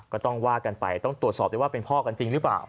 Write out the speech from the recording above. ก็ต้องว่ากันไปต้องตรวจสอบได้ว่าเป็นพ่อกันจริงหรือเปล่า